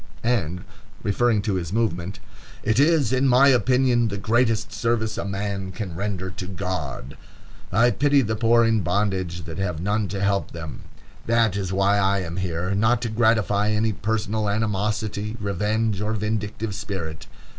And referring to his movement: "It is, in my opinion, the greatest service a man can render to God." "I pity the poor in bondage that have none to help them; that is why I am here; not to gratify any personal animosity, revenge, or vindictive spirit.